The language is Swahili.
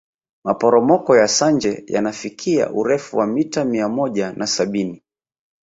maporomoko ya sanje yanafikia urefu wa mita mia moja na sabini